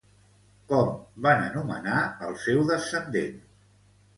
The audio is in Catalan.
Com van anomenar el seu descendent?